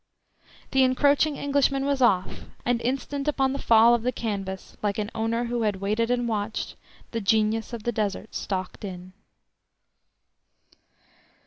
The encroaching Englishman was off, and instant upon the fall of the canvas, like an owner who had waited and watched, the genius of the Desert stalked in.